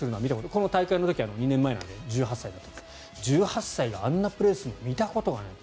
この大会の時は２年前なので１８歳なんですが、１８歳があんなプレーをするのを見たことがない。